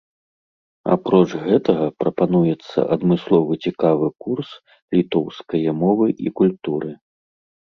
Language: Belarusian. Апроч гэтага прапануецца адмысловы цікавы курс літоўскае мовы і культуры.